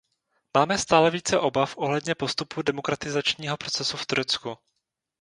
Máme stále více obav ohledně postupu demokratizačního procesu v Turecku.